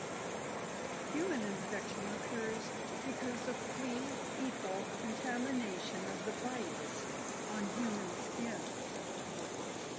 Human infection occurs because of flea-fecal contamination of the bites on human skin.